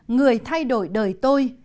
người thay đổi đời tôi